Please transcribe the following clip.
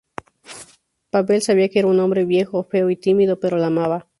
Pavel sabía que era un hombre viejo, feo y tímido, pero la amaba.